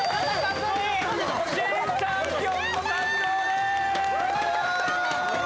新チャンピオンの誕生です！